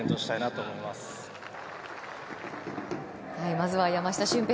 まずは山下舜平